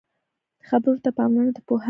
خبرو ته پاملرنه د پوهانو کار دی